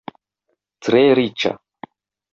Tre riĉa.